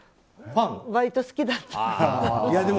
割と好きだったから。